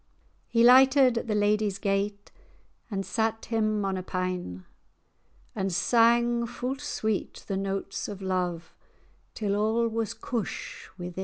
He lighted at the ladye's yate[#] And sat him on a pin,[#] And sang fu' sweet the notes o' love, Till a' was cosh[#] within.